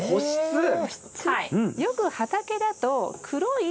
よく畑だと黒い